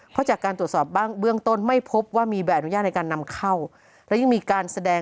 เพราะจากการตรวจสอบบ้างเบื้องต้นไม่พบว่ามีแบบอนุญาตในการนำเข้า